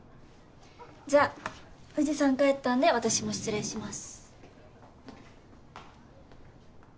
じゃ藤さん帰ったんで私も失礼します。